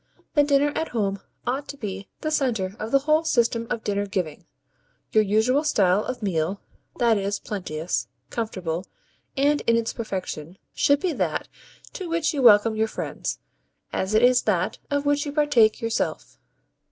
The 'dinner at home' ought to be the centre of the whole system of dinner giving. Your usual style of meal that is, plenteous, comfortable, and in its perfection should be that to which you welcome your friends, as it is that of which you partake yourself.